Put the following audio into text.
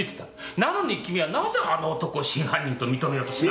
なのに君はなぜ真犯人と認めようとしない。